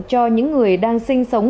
cho những người đang sinh sống